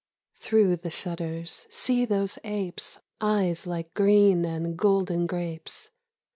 Through the shutters see those apes' Eyes like green and golden grapes